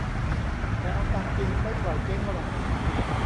แต่เอาตามจริง ไม่ปล่อยเจ๊งหรอก